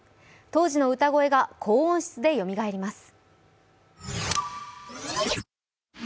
当時の歌声が高音質でよみがえります。